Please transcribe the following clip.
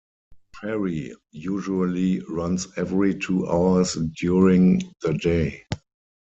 The ferry usually runs every two hours during the day.